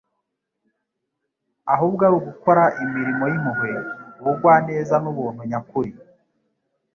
ahubwo ari ugukora imirimo y'impuhwe, ubugwaneza n'ubuntu nyakuri.